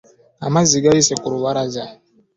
Amazzi gayiise ku lubalaza.